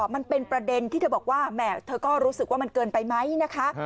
มันเป็นประเด็นที่เธอบอกว่าแหมเธอก็รู้สึกว่ามันเกินไปไหมนะคะ